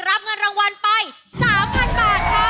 รับเงินรางวัลไป๓๐๐๐บาทค่ะ